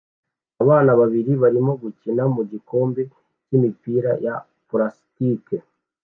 Abana babiri barimo gukina mu gikombe cy'imipira ya pulasitike